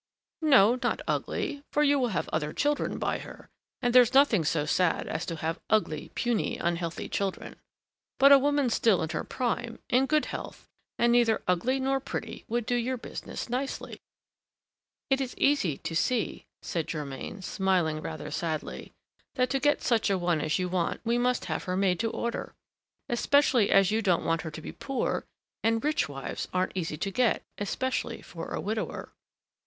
"No, not ugly, for you will have other children by her, and there's nothing so sad as to have ugly, puny, unhealthy children. But a woman still in her prime, in good health and neither ugly nor pretty, would do your business nicely." "It is easy to see," said Germain, smiling rather sadly, "that to get such a one as you want we must have her made to order; especially as you don't want her to be poor, and rich wives aren't easy to get, especially for a widower."